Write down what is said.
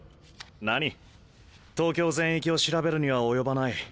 何東京全域を調べるには及ばない。